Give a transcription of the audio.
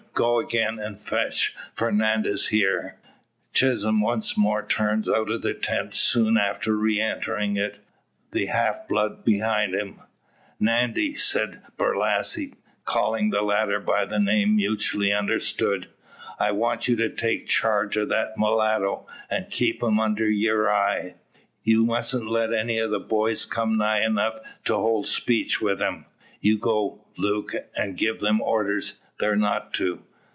Go again, and fetch Fernandez here." Chisholm once more turns out of the tent, soon after re entering it, the half blood behind him. "Nandy," says Borlasse; calling the latter by a name mutually understood. "I want you to take charge of that mulatto, and keep him under your eye. You musn't let any of the boys come nigh enough to hold speech wi' him. You go, Luke, and give them orders they're not to."